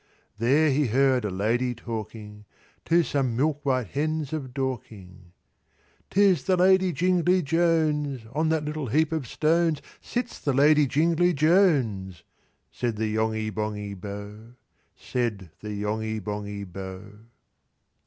There he heard a Lady talking, To some milk white Hens of Dorking, "'Tis the Lady Jingly Jones! "On that little heap of stones "Sits the Lady Jingly Jones!" Said the Yonghy Bonghy Bò, Said the Yonghy Bonghy Bò. III.